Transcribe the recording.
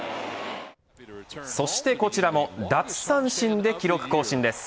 そしてこちらも奪三振で記録更新です。